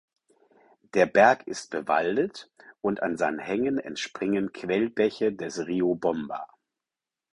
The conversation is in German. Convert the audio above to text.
Der Berg ist bewaldet und an seinen Hängen entspringen Quellbäche des Rio Bomba.